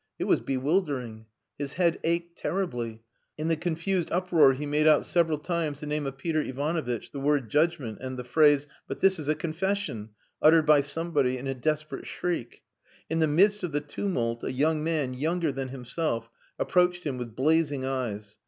It was bewildering. His head ached terribly. In the confused uproar he made out several times the name of Peter Ivanovitch, the word "judgement," and the phrase, "But this is a confession," uttered by somebody in a desperate shriek. In the midst of the tumult, a young man, younger than himself, approached him with blazing eyes.